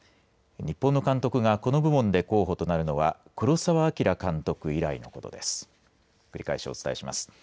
日本の監督がこの部門で候補となるのは黒澤明監督以来とのことです。